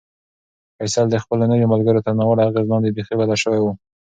فیصل د خپلو نویو ملګرو تر ناوړه اغېز لاندې بیخي بدل شوی و.